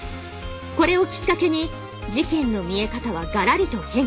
これをきっかけに事件の見え方はがらりと変化。